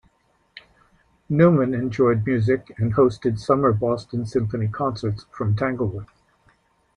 Newman enjoyed music and hosted summer Boston Symphony concerts from Tanglewood.